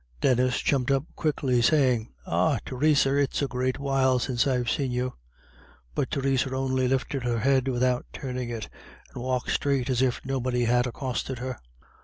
Denis jumped up quickly, saying: "Ah, Theresa, it's a great while since I've seen you." But Theresa only lifted her head without turning it, and walked straight on as if nobody had accosted her.